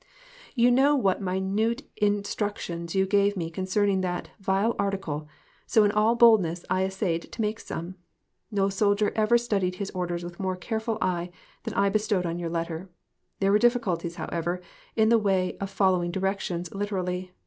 You know what minute instructions you gave me concerning that vile article, so in all boldness I essayed to make some. No soldier ever studied his orders with more careful eye than I bestowed on your letter. There were difficulties, however, in the way of following directions liter ally.